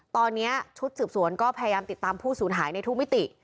ตอนนี้ชุดสืบสวนก็พยายามติดตามผู้สูญหายในทุกมิติ